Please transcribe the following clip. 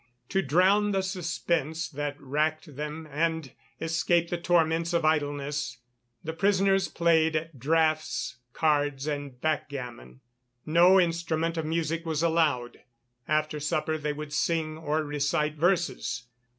To drown the suspense that racked them and escape the torments of idleness, the prisoners played at draughts, cards and backgammon. No instrument of music was allowed. After supper they would sing, or recite verses.